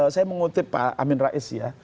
saya mengutip pak amin rais ya